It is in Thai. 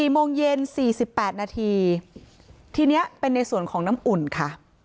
๔โมงเย็น๔๘นาทีทีนี้เป็นในส่วนของน้ำอุ่นค่ะ